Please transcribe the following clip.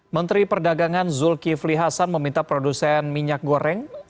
menteri perdagangan zulkifli hasan meminta produsen minyak goreng